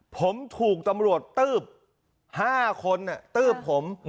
ผมถูกตำรวจตืบ๕คนตืบผม